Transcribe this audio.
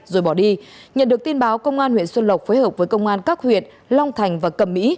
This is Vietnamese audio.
rồi bỏ đi nhận được tin báo công an huyện xuân lộc phối hợp với công an các huyện long thành và cầm mỹ